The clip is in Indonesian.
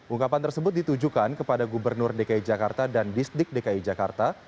ungkapan tersebut ditujukan kepada gubernur dki jakarta dan disdik dki jakarta